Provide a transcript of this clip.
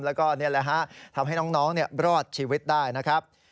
แล้วก็นี่แหละฮะทำให้น้องรอดชีวิตได้นะครับ